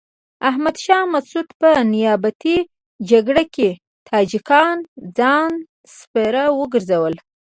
احمد شاه مسعود په نیابتي جګړه کې تاجکان ځان سپر وګرځول.